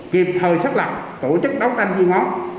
kịp thời xác lập tổ chức đấu tranh duy ngón